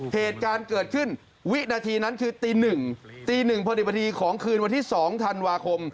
เหตุการณ์เกิดขึ้นวินาทีนั้นคือตี๑ตีหนึ่งพอดีบดีของคืนวันที่๒ธันวาคม